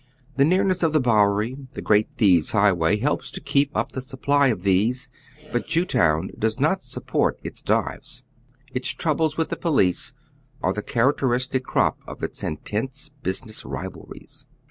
The nearness of the Bowery, the great " thieves' highway," helps to keep up the supply of these, but Jewtown does not support its dives. Its troubles with the police are the characteiistic crop of its intense business rivalries.